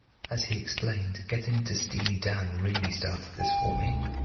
As he explained, Getting into Steely Dan really started this for me.